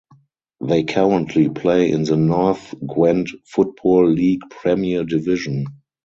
They currently play in the North Gwent Football League Premier Division.